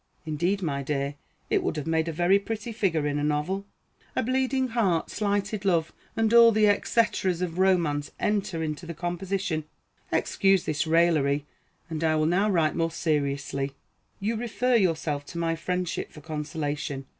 Indeed, my dear, it would make a very pretty figure in a novel. A bleeding heart, slighted love, and all the et ceteras of romance enter into the composition. Excuse this raillery, and I will now write more seriously. You refer yourself to my friendship for consolation.